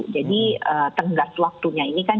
jadi tenggas waktunya ini kan